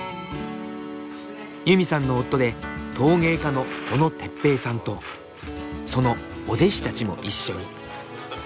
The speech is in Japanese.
ユミさんの夫で陶芸家の小野哲平さんとそのお弟子たちも一緒に。